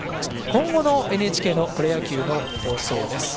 今後のＮＨＫのプロ野球の放送です。